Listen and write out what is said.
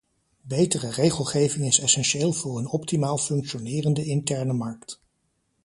Betere regelgeving is essentieel voor een optimaal functionerende interne markt.